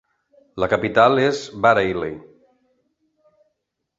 La capital és Bareilly.